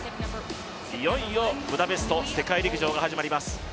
いよいよブダペスト世界陸上が始まります。